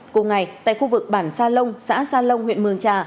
cùng ngày tại khu vực bản sa lông xã sa lông huyện mường trà